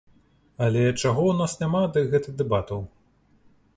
Але чаго ў нас няма, дык гэта дэбатаў.